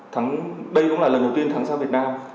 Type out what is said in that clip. thắng đây cũng là lần đầu tiên thắng sang việt nam